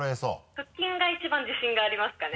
腹筋が一番自信がありますかね。